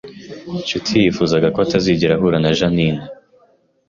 Nshuti yifuzaga ko atazigera ahura na Jeaninne